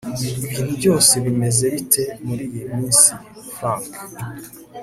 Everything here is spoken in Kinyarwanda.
ibintu byose bimeze bite muriyi minsi, frank